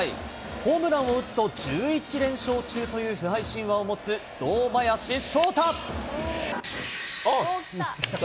ホームランを打つと、１１連勝中という不敗神話を持つ、きた。